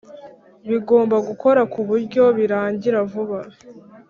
Bigomba gukora ku buryo birangira vuba